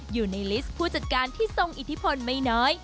อยู่ในลิสต์ผู้จัดการที่ทรงอิทธิพลไม่น้อย